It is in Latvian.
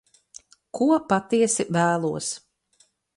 Ko patiesi vēlos.